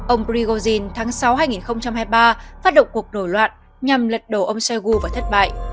ông prigozhin tháng sáu hai nghìn hai mươi ba phát động cuộc nổi loạn nhằm lật đổ ông shoigu và thất bại